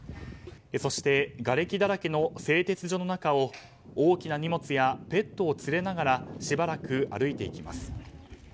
そしてがれきだらけの製鉄所の中を大きな荷物やペットを連れながらしばらく歩いていきます。